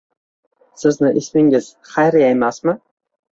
Sizning ismingizXayriya emasmi?